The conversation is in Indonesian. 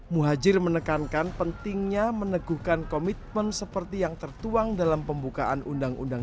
muhajir menekankan pentingnya meneguhkan komitmen seperti yang tertuang dalam pembukaan undang undang